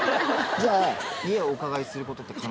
じゃあ。